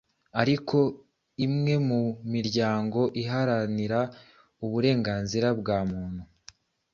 Ariko imwe mu miryango iharanira uburenganzira bwa muntu